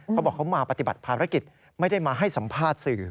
เขาบอกเขามาปฏิบัติภารกิจไม่ได้มาให้สัมภาษณ์สื่อ